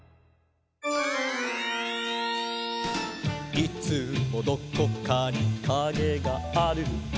「いつもどこかにカゲがある」